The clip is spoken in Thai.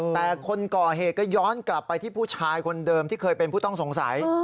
แต่คนก่อเหตุก็ย้อนกลับไปที่ผู้ชายคนเดิมที่เคยเป็นผู้ต้องสงสัย